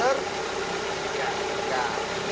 empat belas hari sejak di